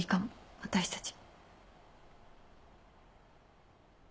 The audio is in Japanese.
私たち。